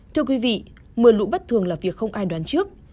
thưa quý vị mưa lũ bất thường là việc không ai đoán trước